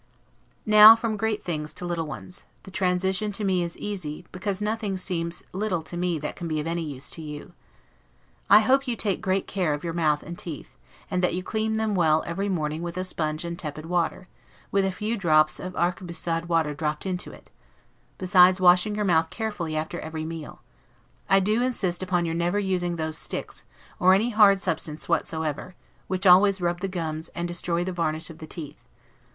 Now from great things to little ones; the transition is to me easy, because nothing seems little to me that can be of any use to you. I hope you take great care of your mouth and teeth, and that you clean them well every morning with a sponge and tepid water, with a few drops of arquebusade water dropped into it; besides washing your mouth carefully after every meal, I do insist upon your never using those sticks, or any hard substance whatsoever, which always rub away the gums, and destroy the varnish of the teeth.